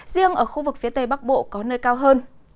riêng ở khu vực phía tây bắc bộ có nơi cao hơn